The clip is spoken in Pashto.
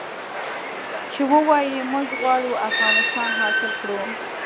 چې ووايي موږ غواړو افغانستان حاصل کړو.